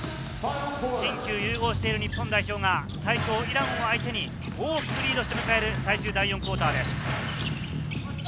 新旧融合している日本代表が最強イランを相手にリードして迎える第４クオーターです。